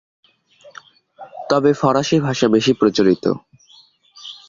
তবে ফরাসি ভাষা বেশি প্রচলিত।